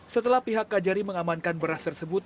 setelah pihak kajari mengamankan beras tersebut